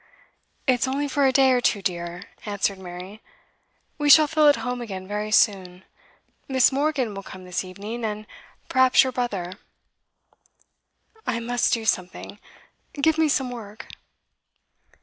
'It's only for a day or two, dear,' answered Mary. 'We shall feel at home again very soon. Miss. Morgan will come this evening, and perhaps your brother.' 'I must do something. Give me some work.